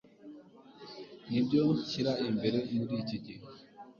Nibyo nshyira imbere muriki gihe